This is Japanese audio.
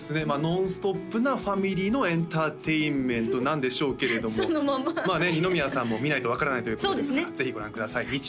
まあノンストップなファミリーのエンターテインメントなんでしょうけれどもまあね二宮さんも「見ないと分からない」ということですからぜひご覧ください